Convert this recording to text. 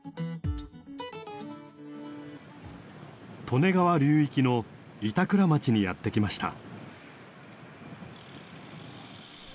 利根川流域の板倉町にやって来ました。